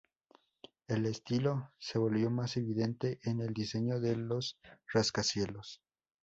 El estilo se volvió más evidente en el diseño de los rascacielos.